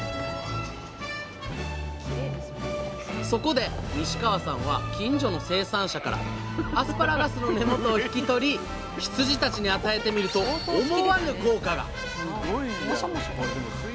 そこで西川さんは近所の生産者からアスパラガスの根元を引き取り羊たちに与えてみると思わぬ効果が！